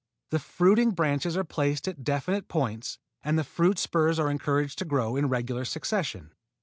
The fruiting branches are placed at definite points and the fruit spurs are encouraged to grow in regular succession.